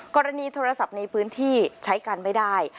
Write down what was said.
กรณีโทรศัพท์ในพื้นที่ใช้กันไม่ได้